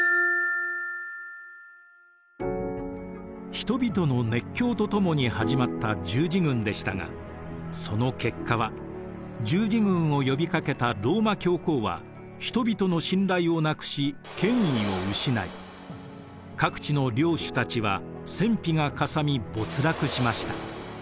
人々の熱狂とともに始まった十字軍でしたがその結果は十字軍を呼びかけたローマ教皇は人々の信頼をなくし権威を失い各地の領主たちは戦費がかさみ没落しました。